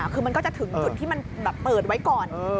คือมันก็จะถึงจุดที่มันเปิดไว้ก่อน